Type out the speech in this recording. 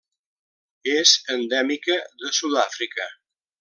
És endèmica de Sud-àfrica.